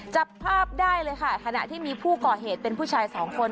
จับภาพได้เลยค่ะขณะที่มีผู้ก่อเหตุเป็นผู้ชายสองคน